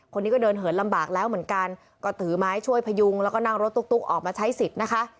คนนี้ก็เดินเหินลำบากแล้วเหมือนกันก็ถือไม้ช่วยพยุงแล้วก็นั่งรถตุ๊กออกมาใช้สิทธิ์นะคะ